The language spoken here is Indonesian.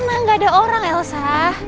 emang gak ada orang elsa